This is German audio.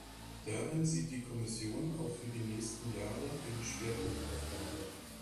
Darin sieht die Kommission auch für die nächsten Jahre eine Schwerpunktaufgabe.